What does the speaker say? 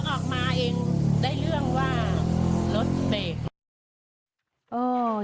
ออกมาเองได้เรื่องว่ารถเบรก